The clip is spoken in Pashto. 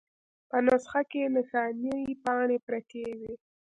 په نسخه کې نښانۍ پاڼې پرتې وې.